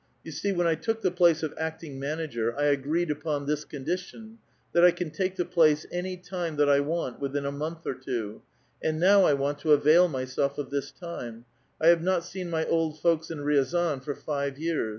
STou see when I took the place of acting manager I agreed apon this condition : that I can take the plaf;e any time that I want, within a month or two ; and now I want to Bivail myself of this time : I have not seen my old folks in Etiazan for five years.